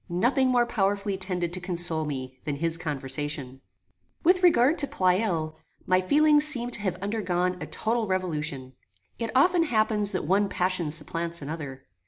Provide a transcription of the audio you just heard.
Nothing more powerfully tended to console me than his conversation. With regard to Pleyel, my feelings seemed to have undergone a total revolution. It often happens that one passion supplants another.